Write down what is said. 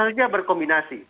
bisa saja berkombinasi